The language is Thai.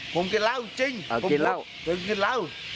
ผมกินเหล้าจริงผมกินเหล้า